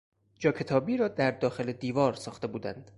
جا کتابی را در داخل دیوار ساخته بودند.